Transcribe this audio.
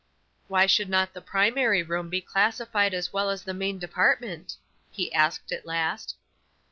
"Why should not the primary room be classified as well as the main department?" he asked, at last.